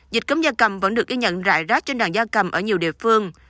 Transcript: dịch cúng da cầm vẫn được ghi nhận rại rát trên đàn da cầm ở nhiều địa phương